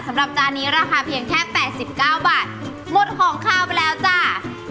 จานนี้ราคาเพียงแค่๘๙บาทหมดของขาวไปแล้วจ้า